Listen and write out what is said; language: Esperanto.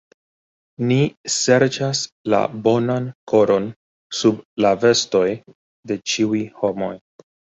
Ni serĉas la bonan koron sub la vestoj de ĉiuj homoj.